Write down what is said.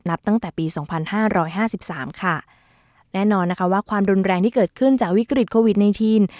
ตั้งแต่ปีสองพันห้าร้อยห้าสิบสามค่ะแน่นอนนะคะว่าความรุนแรงที่เกิดขึ้นจากวิกฤตโควิดในทีน